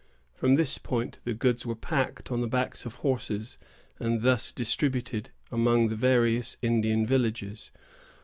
From this point the goods were packed on the backs of horses, and thus distributed among the various Indian villages.